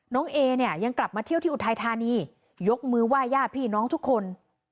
เอเนี่ยยังกลับมาเที่ยวที่อุทัยธานียกมือไหว้ญาติพี่น้องทุกคน